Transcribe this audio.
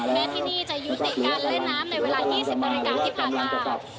ที่นี่จะยุติการเล่นน้ำในเวลา๒๐นาฬิกาที่ผ่านมา